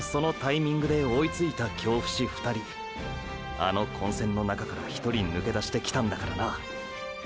あの混戦の中から１人抜け出してきたんだからな。